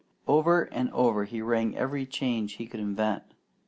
Over and over he rang every change he could invent.